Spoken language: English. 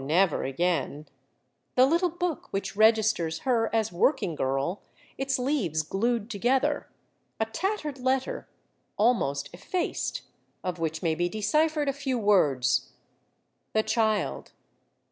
never again ; the little book which registers her as working girl — its leaves glued together ; a tattered letter, almost effaced, of which may be deciphered a few words :" The child